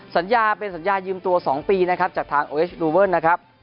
สัญญาเป็นสัญญายืมตัวสองปีนะครับจากทางนะครับ